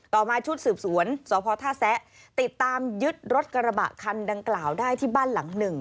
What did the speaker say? มาชุดสืบสวนสพท่าแซะติดตามยึดรถกระบะคันดังกล่าวได้ที่บ้านหลังหนึ่ง